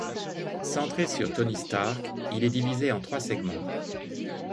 Centré sur Tony Stark, il est divisé en trois segments.